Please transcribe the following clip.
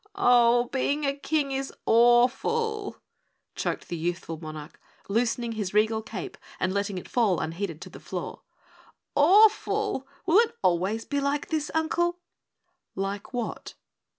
"Oh, being a King is awful," choked the youthful monarch, loosening his regal cape and letting it fall unheeded to the floor. "AWFUL! Will it always be like this, Uncle?" "Like what?"